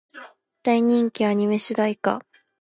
大人気アニメ主題歌